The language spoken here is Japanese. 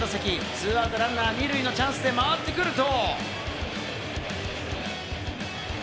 ２アウトランナー２塁のチャンスで回ってくると。